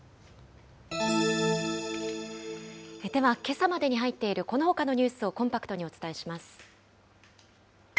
では、けさまでに入っているこのほかのニュースをコンパクトにお伝えします。